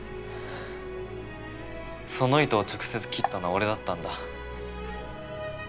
その糸を直接切ったのは俺だったんだ。